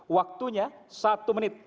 waktunya satu menit